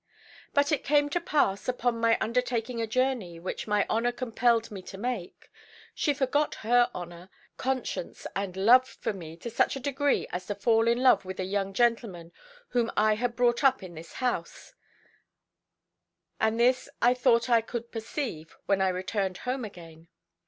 "But it came to pass, upon my undertaking a journey which my honour compelled me to make, she forgot her honour, conscience and love for me to such a degree as to fall in love with a young gentleman whom I had brought up in this house, and this I thought I could perceive when I returned home again.